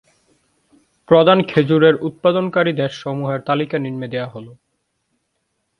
প্রধান খেজুর উৎপাদনকারী দেশসমূহের তালিকা নিম্নে দেয়া হলো।